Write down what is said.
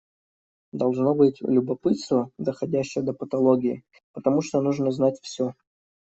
Должно быть любопытство, доходящее до патологии, потому что нужно знать все.